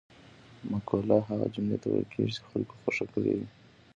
مقوله هغه جملې ته ویل کېږي چې خلکو خوښه کړې وي